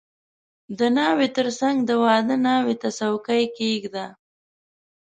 • د ناوې تر څنګ د واده ناوې ته څوکۍ کښېږده.